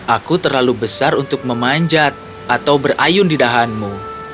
aku terlalu besar untuk memanjat atau berayun di dahanmu